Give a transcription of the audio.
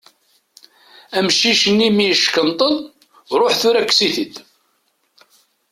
Amcic-nni, mi yeckenṭeḍ, ṛuḥ tura kkes-it-id.